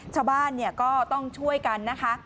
ชาวบ้านก็ต้องช่วยกันนะคะ